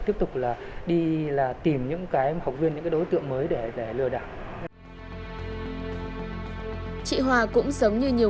tiếp tục là đi là tìm những cái học viên những cái đối tượng mới để lừa đảo chị hoa cũng giống như nhiều